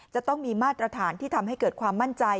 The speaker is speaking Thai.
จะต้องมีมาตรฐานที่ทำให้เกิดความมั่นใจ